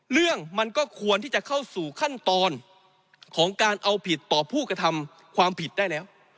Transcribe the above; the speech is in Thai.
เรื่องมันก็ควรที่จะเข้าสู่ขั้นตอนของการเอาผิดต่อผู้กระทำความผิดได้แล้ว